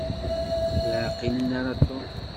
Ur ɛqilen ara Tom.